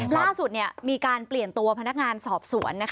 ล่าสุดมีการเปลี่ยนตัวพนักงานสอบสวน